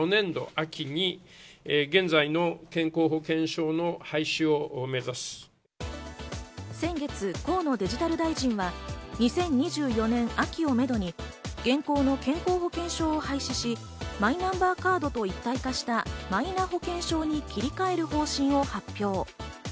そういう方もしっかり話を先月、河野デジタル大臣は２０２４年秋をめどに現行の健康保険証を廃止し、マイナンバーカードと一体化した、マイナ保険証に切り替える方針を発表。